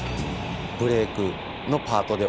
ブレイクのパートで踊る。